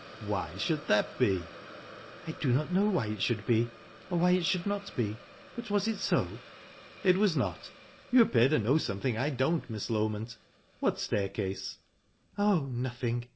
"Why should that be?" "I don't know why it should be, or why it should not be; but was it so?" "It was not. You appear to know something I don't, Miss Loment. What staircase?" "Oh, nothing.